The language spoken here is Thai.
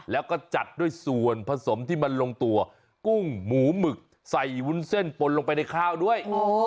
แล้วก็จัดด้วยส่วนผสมที่มันลงตัวกุ้งหมูหมึกใส่วุ้นเส้นปนลงไปในข้าวด้วย